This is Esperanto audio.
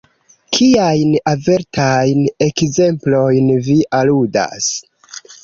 Kiajn avertajn ekzemplojn vi aludas?